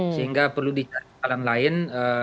sehingga perlu dicari jalan lain